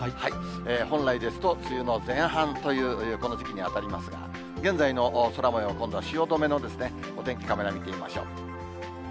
本来ですと、梅雨の前半というこの時期に当たりますが、現在の空もよう、今度は汐留のお天気カメラ見てみましょう。